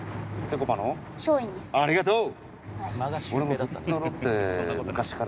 ありがとう！